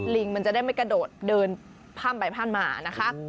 ลิงมันจะได้ไม่กระโดดเดินข้ามไปผ่านมานะคะ